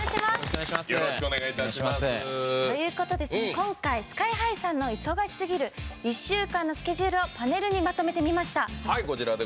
今回、ＳＫＹ‐ＨＩさんの忙しすぎる１週間のスケジュールをパネルにまとめてみました。